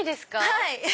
はい。